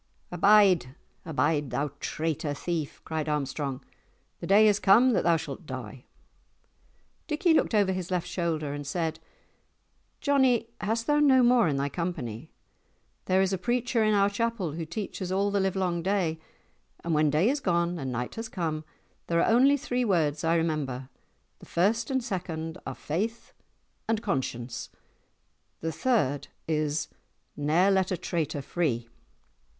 "Abide, abide, thou traitor thief!" cried Armstrong; "the day is come that thou shalt die!" Dickie looked over his left shoulder and said, "Johnie, hast thou no more in thy company? There is a preacher in our chapel who teaches all the livelong day, and when day is gone and night has come, there are only three words I remember—the first and second are Faith and Conscience—the third is 'Ne'er let a traitor free.